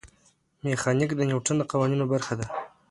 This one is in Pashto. میخانیک د نیوټن د قوانینو برخه ده.